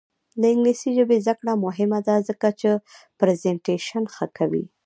د انګلیسي ژبې زده کړه مهمه ده ځکه چې پریزنټیشن ښه کوي.